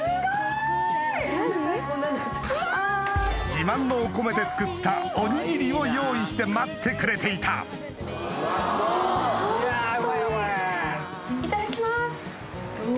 自慢のお米で作ったおにぎりを用意して待ってくれていたうまそう！